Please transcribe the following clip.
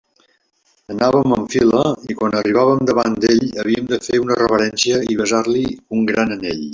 Anàvem en fila, i quan arribàvem davant d'ell havíem de fer una reverència i besar-li un gran anell.